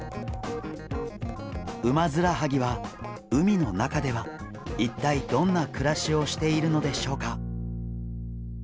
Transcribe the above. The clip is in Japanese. ウマヅラハギは海の中では一体どんな暮らしをしているのでしょうか？